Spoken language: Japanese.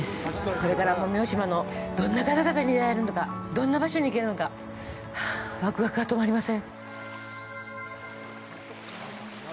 これから奄美大島のどんな方々に出会えるのか、どんな場所に行けるのか、わくわくが止まりません。